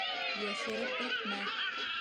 Йәшереп әйтмә!